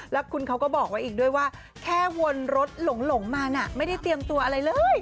แล้วคุณเขาก็บอกไว้อีกด้วยว่าแค่วนรถหลงมาน่ะไม่ได้เตรียมตัวอะไรเลย